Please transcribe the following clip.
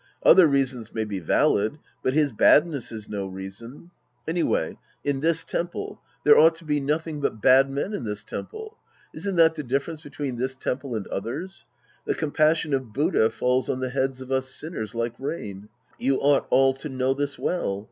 Other reasons may be valid, but his badness is no reason. Anyway, in this temple. There ought to be nothing Sc. II The Priest and His Disciples 201 but bad men in this temple. Isn't that the difference between this temple and others. The compassion of Buddha falls on the heads of us sinners like rain. You ought all to Iciow this well.